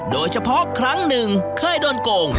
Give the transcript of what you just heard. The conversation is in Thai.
โดยเฉพาะครั้งหนึ่งเคยโดนโกง